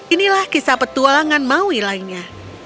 inilah kisah petualangan maui lainnya